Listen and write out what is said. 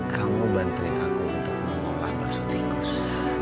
kamu bantuin aku untuk memolah bursu tikus